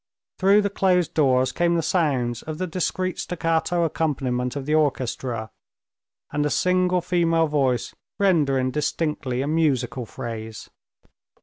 Through the closed doors came the sounds of the discreet staccato accompaniment of the orchestra, and a single female voice rendering distinctly a musical phrase.